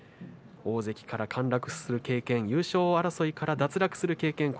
大関から陥落する経験優勝争いから脱落する経験